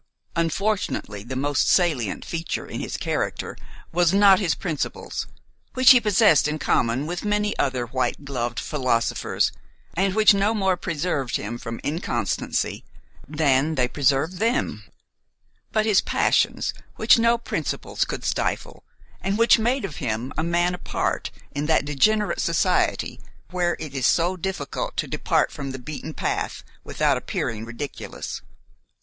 Unfortunately the most salient feature in his character was not his principles, which he possessed in common with many other white gloved philosophers and which no more preserved him from inconsistency than they preserve them; but his passions, which no principles could stifle, and which made of him a man apart in that degenerate society where it is so difficult to depart from the beaten path without appearing ridiculous.